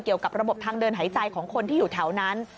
เกี่ยวกับระบบทางเดินหายใจของคนที่อยู่แถวนั้น